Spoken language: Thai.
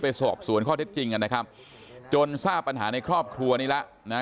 ไปสอบสวนข้อเท็จจริงกันนะครับจนทราบปัญหาในครอบครัวนี้แล้วนะ